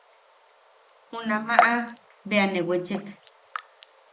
Junamaʼa bea ne wechek.